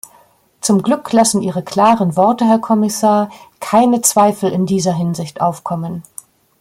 Zum Glück lassen Ihre klaren Worte, Herr Kommissar, keine Zweifel in dieser Hinsicht aufkommen.